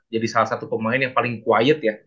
jadi salah satu pemain yang paling quiet ya